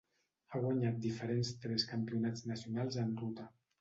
Ha guanyat diferents tres Campionats nacionals en ruta.